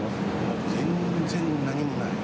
全然何もない。